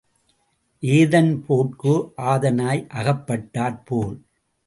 ஏதன் போர்க்கு ஆதனாய் அகப்பட்டாற்போல்.